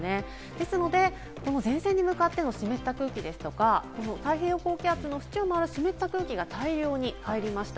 ですので、前線に向かっての湿った空気ですとか、太平洋高気圧の縁を、湿った空気が大量に入りました。